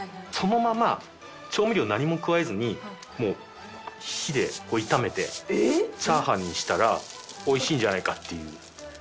そのまま調味料を何も加えずに火で炒めてチャーハンにしたら美味しいんじゃないかっていう。